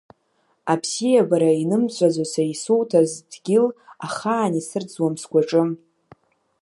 Абзиабара инымҵәаӡо са исуҭаз дгьыл ахаан исырӡуам сгәаҿы.